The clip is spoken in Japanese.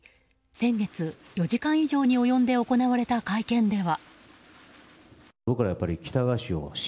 先月、４時間以上に及んで行われた会見では。